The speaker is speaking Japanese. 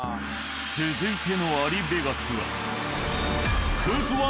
続いてのアリベガスは。